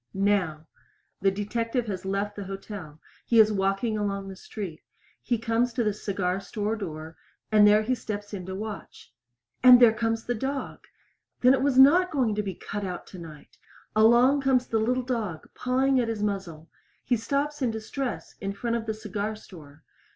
Now. The detective has left the hotel he is walking along the street. He comes to the cigar store door, and there steps in to watch. And there comes the dog! Then it was not going to be cut out tonight! Along comes the little dog pawing at his muzzle. He stops in distress in front of the cigar store.